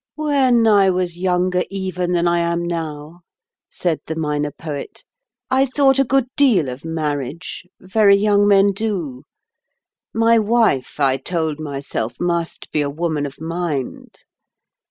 "When I was younger even than I am now," said the Minor Poet, "I thought a good deal of marriage—very young men do. My wife, I told myself, must be a woman of mind.